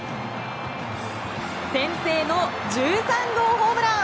先制の１３号ホームラン。